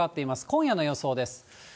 今夜の予想です。